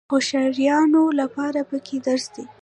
د هوښیارانو لپاره پکې درس دی.